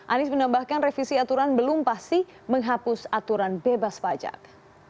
anies menambahkan revisi aturan belum pasti menghapus aturan bebas pajak